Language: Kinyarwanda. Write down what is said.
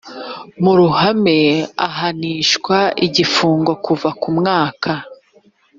mu ruhame ahanishwa igifungo kuva mwaka